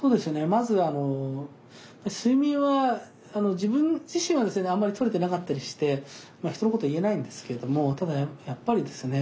まず睡眠は自分自身はですねあんまり取れてなかったりして人のこと言えないんですけれどもただやっぱりですね